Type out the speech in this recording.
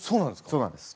そうなんです。